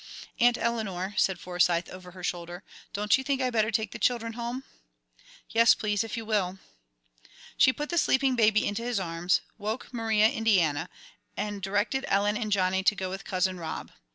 "Aunt Eleanor," said Forsyth, over her shoulder, "don't you think I'd better take the children home?" "Yes, please, if you will." She put the sleeping baby into his arms, woke Maria Indiana, and directed Ellen and Johnny to go with "Cousin Rob."